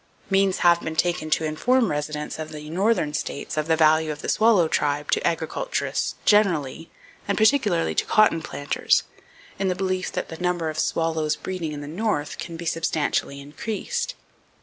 [Page 218] Means have been taken to inform residents of the northern states of the value of the swallow tribe to agriculturists generally, and particularly to cotton planters, in the belief that the number of swallows breeding in the North can be substantially increased.